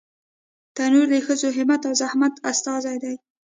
تنور د ښځو همت او زحمت استازی دی